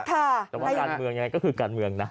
แต่ว่าการเมืองยังไงก็คือการเมืองนะ